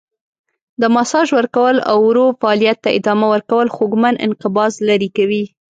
د ماساژ ورکول او ورو فعالیت ته ادامه ورکول خوږمن انقباض لرې کوي.